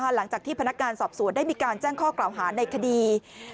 หลังจากที่พนักงานสอบสวนได้มีการแจ้งข้อกล่าวหาในคดี